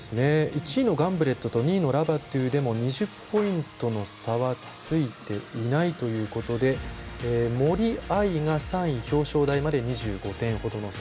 １位のガンブレットと２位のラバトゥでも２０ポイントの差はついていないということで森秋彩が３位表彰台まで２５点ほどの差